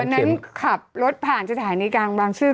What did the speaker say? วันนั้นขับรถผ่านจุดฐานในกางบางชื่อ